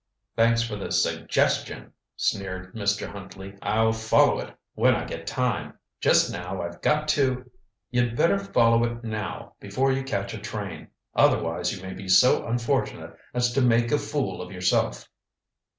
"Thanks for the suggestion," sneered Mr. Huntley. "I'll follow it when I get time. Just now I've got to " "You'd better follow it now before you catch a train. Otherwise you may be so unfortunate as to make a fool of yourself."